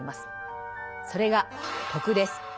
それが「徳」です。